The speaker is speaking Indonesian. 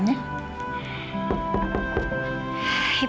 ini evaluasi bu